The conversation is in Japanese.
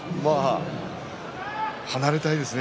離れたいですね